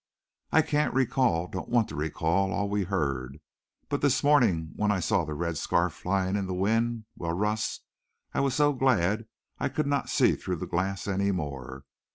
"I can't recall, don't want to recall, all we heard. But this morning when I saw the red scarf flying in the wind well, Russ, I was so glad I could not see through the glass any more.